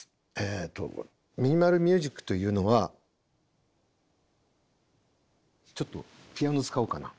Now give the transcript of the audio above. ミニマル・ミュージックというのはちょっとピアノ使おうかな。